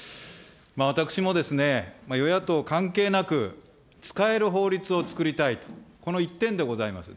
私もですね、与野党関係なく、使える法律を作りたいと、この１点でございます。